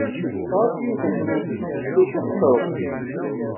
Tesɣa-tt yiwet n Trusit, tewwi-tt ad tt-tṛebbi.